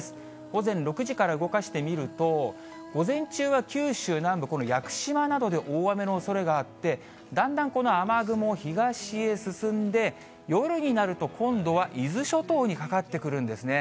午前６時から動かしてみると、午前中は九州南部、この屋久島などで大雨のおそれがあって、だんだんこの雨雲、東へ進んで、夜になると、今度は伊豆諸島にかかってくるんですね。